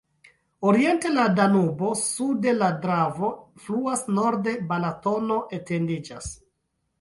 Oriente la Danubo, sude la Dravo fluas, norde Balatono etendiĝas.